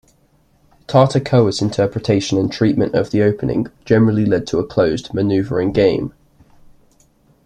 Tartakower's interpretation and treatment of the opening generally led to a closed, manoeuvring game.